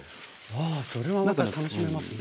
ああそれはまた楽しめますね。